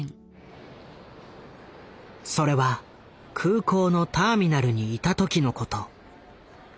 それは空港のターミナルにいた時のこと。